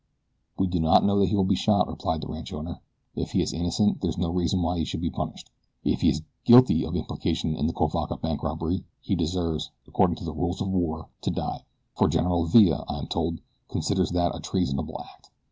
"We do not know that he will be shot," replied the ranch owner. "If he is innocent there is no reason why he should be punished. If he is guilty of implication in the Cuivaca bank robbery he deserves, according to the rules of war, to die, for General Villa, I am told, considers that a treasonable act.